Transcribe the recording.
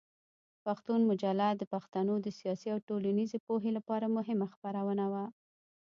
پښتون مجله د پښتنو د سیاسي او ټولنیزې پوهې لپاره مهمه خپرونه وه.